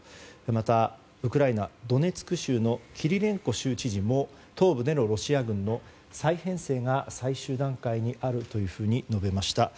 また、ウクライナドネツク州のキリレンコ州知事も東部でのロシア軍の再編成が最終段階にあると述べました。